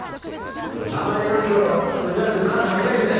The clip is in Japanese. たまにな今日は珍しく母さんいないんだよ。